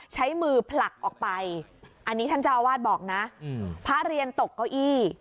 ใช้มือผลักออกไปอันนี้ท่านเจ้าอาวาสบอกนะพระเรียนตกเก้าอี้